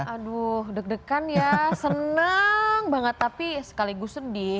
aduh deg degan ya seneng banget tapi sekaligus sedih